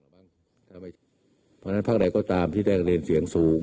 เพราะฉะนั้นภาคใดก็ตามที่ได้เรียนเสียงสูง